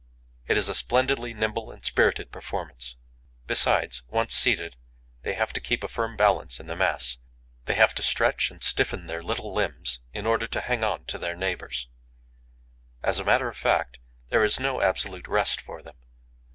It is a splendidly nimble and spirited performance. Besides, once seated, they have to keep a firm balance in the mass; they have to stretch and stiffen their little limbs in order to hang on to their neighbours. As a matter of fact, there is no absolute rest for them.